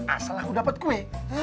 asal aku dapat kue